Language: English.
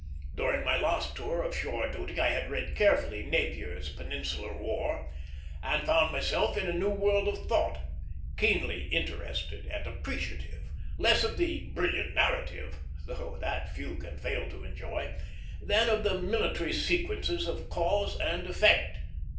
During my last tour of shore duty I had read carefully Napier's Peninsular War, and had found myself in a new world of thought, keenly interested and appreciative, less of the brilliant narrative though that few can fail to enjoy than of the military sequences of cause and effect.